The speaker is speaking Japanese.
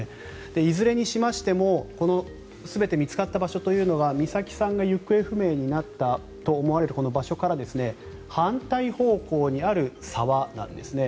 いずれにしましても全て見つかった場所というのは美咲さんが行方不明になったと思われるこの場所から反対方向にある沢なんですね。